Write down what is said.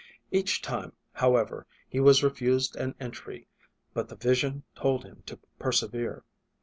Each time, how ever, he was refused an entry but the vision told him to persevere.